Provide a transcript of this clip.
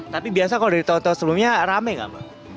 tapi biasa kalau dari tahun tahun sebelumnya rame gak mbak